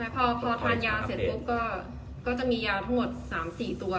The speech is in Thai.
พอทานยาเสร็จปุ๊บก็จะมียาทั้งหมด๓๔ตัว